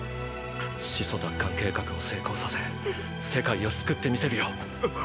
始祖奪還計画を成功させ世界を救ってみせるよ。